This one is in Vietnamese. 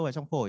vào trong khổi